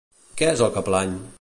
Què és el que plany?